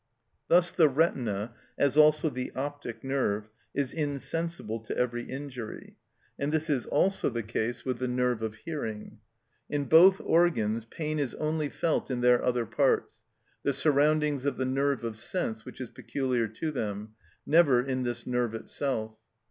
Thus the retina, as also the optic nerve, is insensible to every injury; and this is also the case with the nerve of hearing. In both organs pain is only felt in their other parts, the surroundings of the nerve of sense which is peculiar to them, never in this nerve itself.